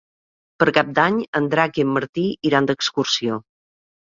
Per Cap d'Any en Drac i en Martí iran d'excursió.